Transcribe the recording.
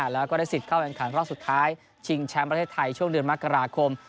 แล้วก็ได้สิทธิ์เข้าแข่งขันรอบสุดท้ายชิงแชมป์ประเทศไทยช่วงเดือนมกราคม